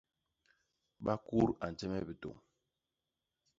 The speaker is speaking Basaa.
Bakut a nje me bitôñ.